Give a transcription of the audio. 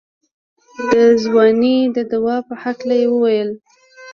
د ځوانۍ د دوا په هکله يې وويل.